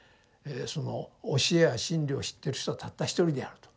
その教えや真理を知ってる人はたった一人であると。